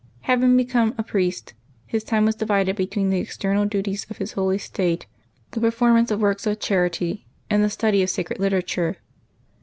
Having become a priest, his time was divided between the external duties of his holy state, the performance of works of charity, and the study of sacred literature.